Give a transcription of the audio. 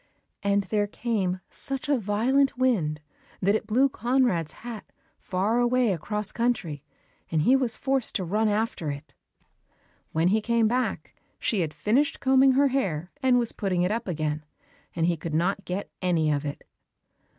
And there came such a violent wind that it blew Conrad's hat far away across country, and he was forced to run after it. When he came back she had finished combing her hair and was putting it up again, and he could not get any of it.